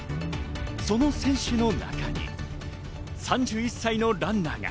その選手の中に３１歳のランナーが。